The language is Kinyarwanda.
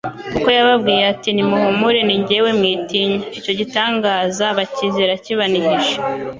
kuko yababwiye ati: "Nimuhumure ni njyewe mwitinya!" Icyo gitangaza, bacyizera kibanihije.